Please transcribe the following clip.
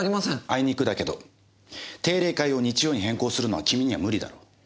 あいにくだけど定例会を日曜に変更するのは君には無理だろう。